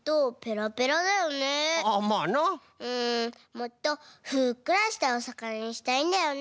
もっとふっくらしたおさかなにしたいんだよね。